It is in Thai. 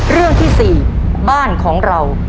เรื่องที่๔บ้านของเรา